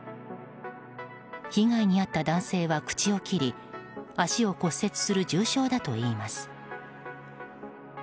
被害に遭った男性は口を切り足を骨折する重傷だといいます。